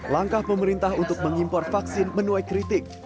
langkah pemerintah untuk mengimpor vaksin menuai kritik